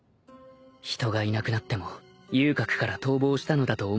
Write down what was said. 人がいなくなっても遊郭から逃亡したのだと思われるだけ